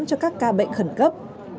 cho các ca bệnh khẩn cấp